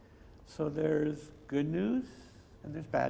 jadi ada berita baik